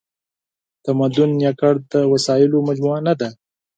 تمدن یواځې د وسایلو مجموعه نهده.